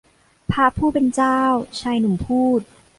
พระผู้เป็นเจ้า ชายหนุ่มพูด